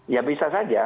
ya bisa saja